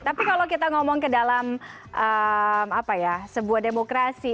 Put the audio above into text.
tapi kalau kita ngomong ke dalam sebuah demokrasi